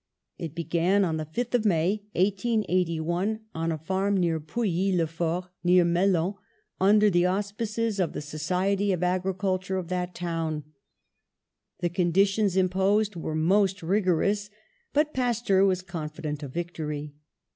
It began on the 5th of May, 1881, on a farm at Pouilly le Fort, near Melun, under the auspices of the Society of Agriculture of that town. The conditions imposed were most rigorous, but Pasteur was confident of victory.